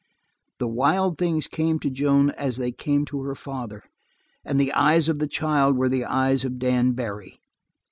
The wild things came to Joan as they came to her father, and the eyes of the child were the eyes of Dan Barry.